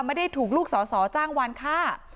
ไม่ได้ถูกลูกสอสอจ้างวานฆ่า